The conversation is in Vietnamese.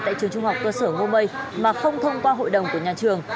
tại trường trung học cơ sở ngô mây mà không thông qua hội đồng của nhà trường